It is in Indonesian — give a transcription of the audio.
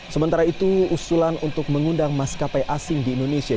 sementara itu usulan untuk mengundang maskapai asing di indonesia